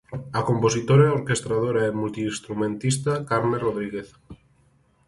A compositora, orquestradora e multiinstrumentista Carme Rodríguez.